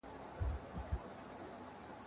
هغوی وویل چي موږ دا کیسې اورېدلي دي.